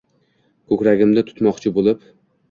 Koʻkragimni tutmoqchi boʻlib